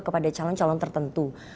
kepada calon calon tertentu